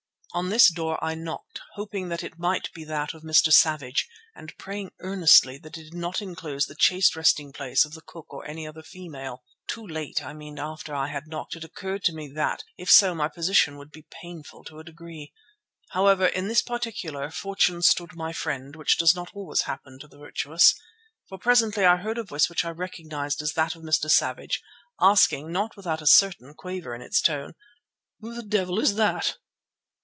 On this door I knocked, hoping that it might be that of Mr. Savage and praying earnestly that it did not enclose the chaste resting place of the cook or any other female. Too late, I mean after I had knocked, it occurred to me that if so my position would be painful to a degree. However in this particular Fortune stood my friend, which does not always happen to the virtuous. For presently I heard a voice which I recognized as that of Mr. Savage, asking, not without a certain quaver in its tone, "Who the devil is that?"